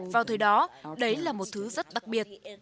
vào thời đó đấy là một thứ rất đặc biệt